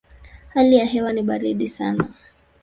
Hali ya hewa ni baridi sana.